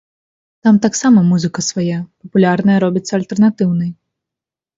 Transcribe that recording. Там таксама музыка свая, папулярная робіцца альтэрнатыўнай.